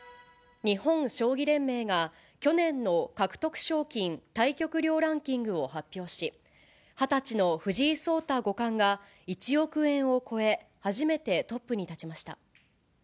日本将棋連盟が、去年の獲得賞金・対局料ランキングを発表し、２０歳の藤井聡太五冠が１億円を超え、初めてトップに立ちました。